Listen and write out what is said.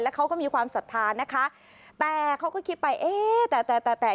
เขาก็มีความศรัทธานะคะแต่เขาก็คิดไปเอ๊ะแต่แต่แต่แต่